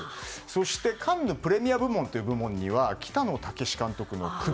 そしてカンヌ・プレミア部門という部門には北野武監督の「首」。